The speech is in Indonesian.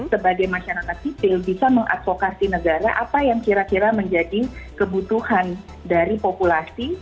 sebagai masyarakat sipil bisa mengadvokasi negara apa yang kira kira menjadi kebutuhan dari populasi